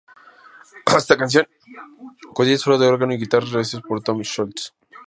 Esta canción contiene solos de órgano y guitarra, realizados por Tom Scholz.